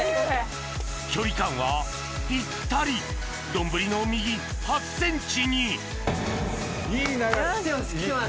距離感はぴったり丼の右８ｃｍにいい流れ。